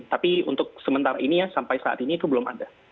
tapi untuk sementara ini ya sampai saat ini itu belum ada